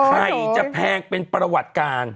ไข่จะแพงเป็นประวัติการ